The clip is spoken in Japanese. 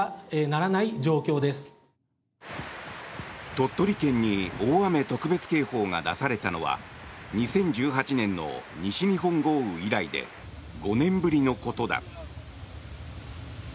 鳥取県に大雨特別警報が出されたのは２０１８年の西日本豪雨以来で５年ぶりのことだ。